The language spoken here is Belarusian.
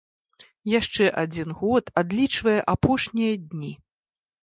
Яшчэ адзін год адлічвае апошнія дні.